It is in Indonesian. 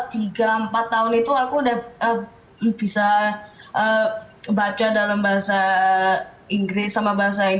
tiga empat tahun itu aku udah bisa baca dalam bahasa inggris sama bahasa inggris